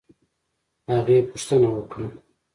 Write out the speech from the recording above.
هغې پوښتنه وکړه